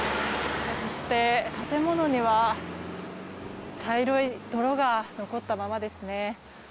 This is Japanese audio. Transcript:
そして、建物には茶色い泥が残ったままですね。